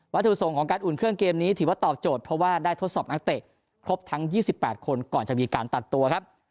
ถูกส่งของการอุ่นเครื่องเกมนี้ถือว่าตอบโจทย์เพราะว่าได้ทดสอบนักเตะครบทั้ง๒๘คนก่อนจะมีการตัดตัวครับ